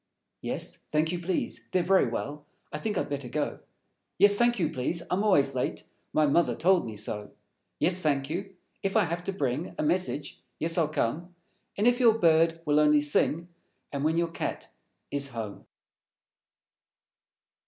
Yes, thank you, please. They're Very Well; I think I'd better go. _Yes, thank you, please. I'm always late; My Mother told me so. Yes, thank you! If I Have to Bring A message, yes, I'll come; And if your Bird will only Sing; And when your Cat is home.